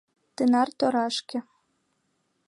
Тынар торашке!..